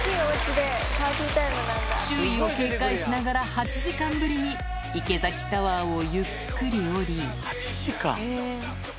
周囲を警戒しながら８時間ぶりに池崎タワーをゆっくり下り８時間。